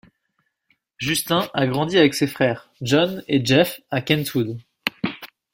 Justin a grandi avec ses frères John et Jeff à Kentwood.